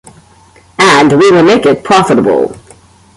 And we will make it profitable.